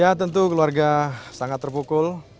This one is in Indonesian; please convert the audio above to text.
ya tentu keluarga sangat terpukul